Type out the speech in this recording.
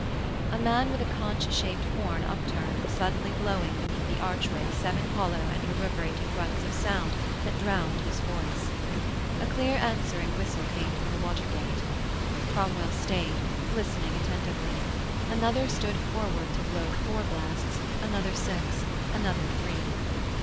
A man with a conch shaped horn upturned was suddenly blowing beneath the archway seven hollow and reverberating grunts of sound that drowned his voice. A clear answering whistle came from the water gate. Cromwell stayed, listening attentively; another stood forward to blow four blasts, another six, another three.